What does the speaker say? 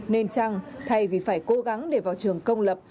nên chăng thay vì phải cố gắng để vào trường công lập